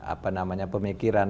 apa namanya pemikiran